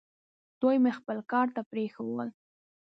دوی مې خپل کار ته پرېښوول.